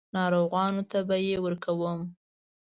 ناروغانو ته به یې ورکوم.